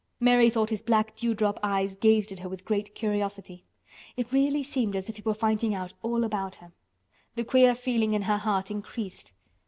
Mary thought his black dewdrop eyes gazed at her with great curiosity. It really seemed as if he were finding out all about her. The queer feeling in her heart increased.